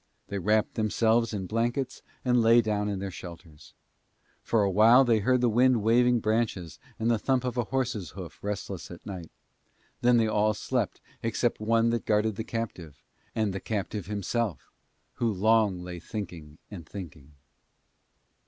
They wrapped themselves in blankets and lay down in their shelters. For a while they heard the wind waving branches and the thump of a horse's hoof restless at night; then they all slept except one that guarded the captive, and the captive himself who long lay thinking and thinking.